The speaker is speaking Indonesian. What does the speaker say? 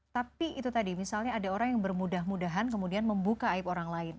tapi itu tadi misalnya ada orang yang bermudah mudahan kemudian membuka aib orang lain